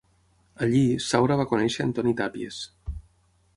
Allí, Saura va conèixer Antoni Tàpies.